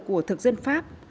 của thực dân pháp